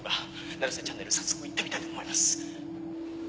『成瀬チャンネル』早速行ってみたいと思います。